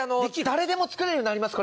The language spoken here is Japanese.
誰でも作れるようになります